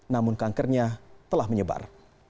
namun kankernya telah menyebar